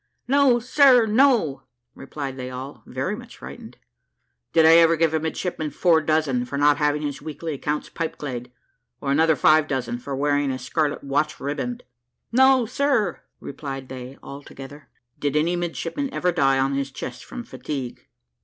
"No, sir, no!" replied they all, very much frightened. "Did I ever give a midshipman four dozen for not having his weekly accounts pipe clayed; or another five dozen for wearing a scarlet watch riband?" "No, sir," replied they all together. "Did any midshipman ever die on his chest from fatigue?"